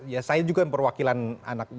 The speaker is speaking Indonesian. ya saya juga yang perwakilan anak